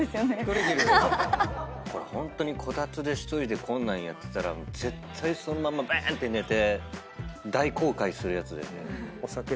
ホントにこたつで１人でこんなんやってたら絶対そのまんまばーんって寝て大後悔するやつだよね。